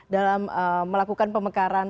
dalam melakukan pemekaran